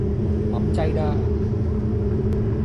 หมำใจดา !